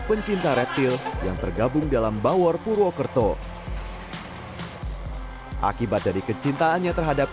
pencinta reptil yang tergabung dalam bawor purwokerto akibat dari kecintaannya terhadap